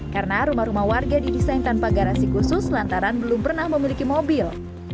karena rumah rumah warga didesain tanpa garasi khusus lantaran belum pernah memiliki mobil